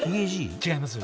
違います。